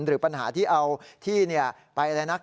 หรือปัญหาที่เอาที่ไปอะไรนัก